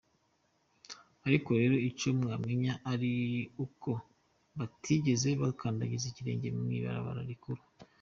Ariko rero ico mwomenya ni uko batigeze bakandagiza ikirenge mw’ibarabara rikuru.